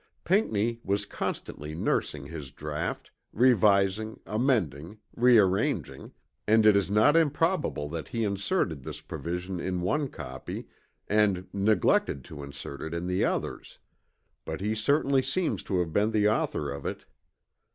Pinckney was constantly nursing his draught, revising, amending, rearranging, and it is not improbable that he inserted this provision in one copy and neglected to insert it in the others. But he certainty seems to have been the author of it.